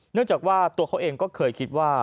เนื่องจากว่าตัวเขาเองก็เคยคิดว่า